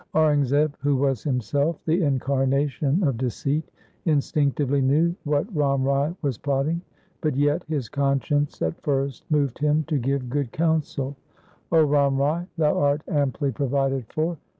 Aurangzeb, who was himself the incarnation of deceit, instinctively knew what Ram Rai was plot ting, but yet his conscience at first moved him to give good counsel, ' O Ram Rai, thou art amply provided for.